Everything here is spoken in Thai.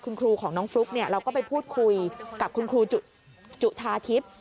คุณครูของน้องฟลุ๊กเราก็ไปพูดคุยกับคุณครูจุธาทิพย์